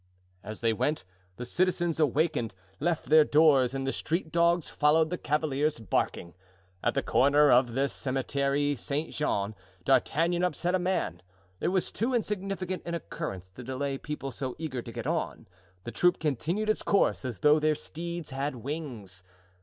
As they went, the citizens, awakened, left their doors and the street dogs followed the cavaliers, barking. At the corner of the Cimetiere Saint Jean, D'Artagnan upset a man; it was too insignificant an occurrence to delay people so eager to get on. The troop continued its course as though their steeds had wings.